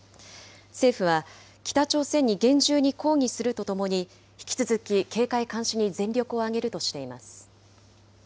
政府は北朝鮮に厳重に抗議するとともに、引き続き警戒監視に全力を挙げるとしています。